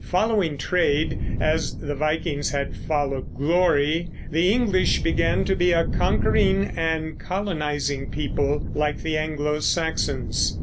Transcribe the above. Following trade, as the Vikings had followed glory, the English began to be a conquering and colonizing people, like the Anglo Saxons.